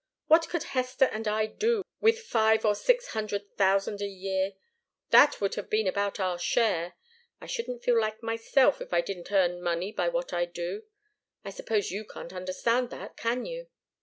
What could Hester and I do with five or six hundred thousand a year? That would have been about our share. I shouldn't feel like myself, if I didn't earn money by what I do. I suppose you can't understand that, can you?"